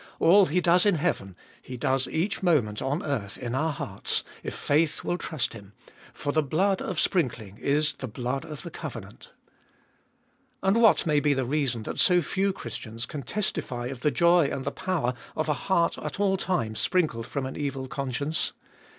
All He does in heaven He does each moment on earth in our hearts, if faith will trust Him ; for the blood of sprinkling is the blood of the covenant. And what may be the reason that so few Christians can testify of the joy and the power of a heart at all times sprinkled from an evil conscience?